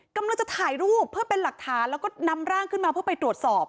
กำลังจะถ่ายรูปเพื่อเป็นหลักฐานแล้วก็นำร่างขึ้นมาเพื่อไปตรวจสอบ